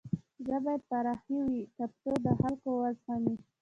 زړه بايد پراخه وي تر څو د خلک و زغمی.